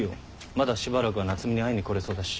まだしばらくは夏海に会いに来れそうだし。